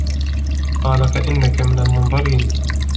قَالَ فَإِنَّكَ مِنَ الْمُنْظَرِينَ